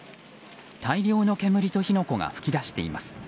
大量の煙と火の粉が噴き出しています。